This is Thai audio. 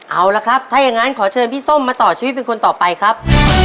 เอาละครับถ้าอย่างนั้นขอเชิญพี่ส้มมาต่อชีวิตเป็นคนต่อไปครับ